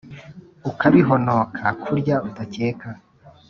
ukabihonoka kurya udakeka